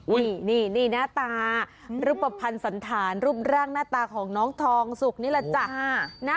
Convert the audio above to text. นี่หน้าตารูปภัณฑ์สันธารรูปร่างหน้าตาของน้องทองสุกนี่แหละจ้ะ